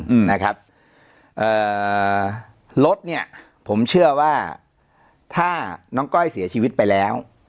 อืมนะครับเอ่อรถเนี้ยผมเชื่อว่าถ้าน้องก้อยเสียชีวิตไปแล้ว